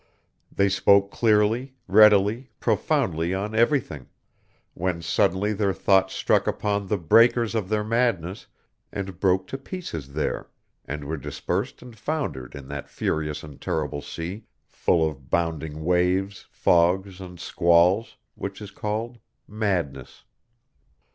They spoke clearly, readily, profoundly on everything, when suddenly their thoughts struck upon the breakers of their madness and broke to pieces there, and were dispersed and foundered in that furious and terrible sea, full of bounding waves, fogs and squalls, which is called madness.